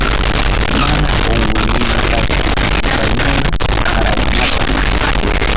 Mana unkuynima karka atipaynima tarawanata.